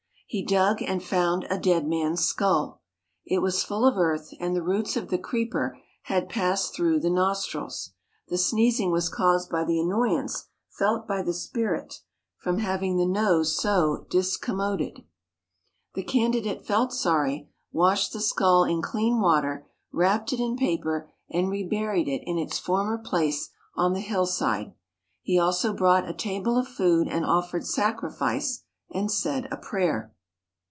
He dug and found a dead man's skull. It was full of earth, and the roots of the creeper had passed through the nostrils. The sneezing was caused by the annoyance felt by the spirit from having the nose so discommoded. The candidate felt sorry, washed the skull in clean water, wrapped it in paper and reburied it in its former place on the hill side. He also brought a table of food and offered sacrifice, and said a prayer.